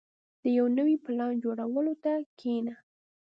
• د یو نوي پلان جوړولو ته کښېنه.